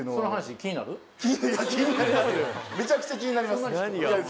めちゃくちゃ気になります。